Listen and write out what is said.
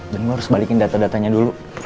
dan gue harus balikin data datanya dulu